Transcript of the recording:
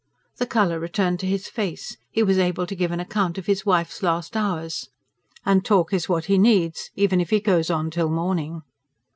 The colour returned to his face, he was able to give an account of his wife's last hours. "And to talk is what he needs, even if he goes on till morning."